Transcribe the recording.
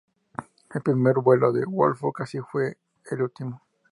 El primer vuelo de Wolff casi fue el último.